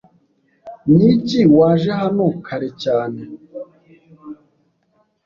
Niki waje hano kare cyane?